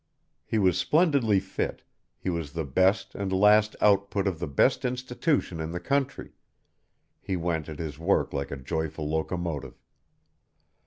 He was splendidly fit; he was the best and last output of the best institution in the country; he went at his work like a joyful locomotive.